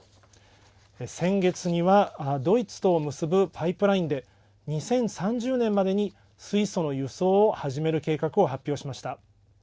先月にはドイツとを結ぶパイプラインで２０３０年までに水素の輸送を始める計画を発表しました。